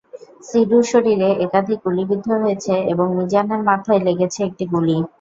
সিডুর শরীরে একাধিক গুলি বিদ্ধ হয়েছে এবং মিজানের মাথায় লেগেছে একটি গুলি।